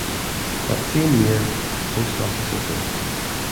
That same year, its post office opened.